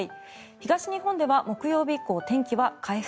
東日本では木曜日以降天気は回復。